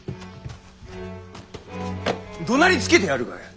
どなりつけてやるがよい！